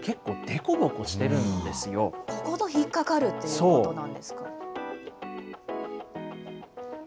ここで引っ掛かるということなんですね。